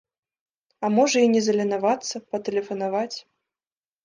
А можа, і не заленавацца, патэлефанаваць.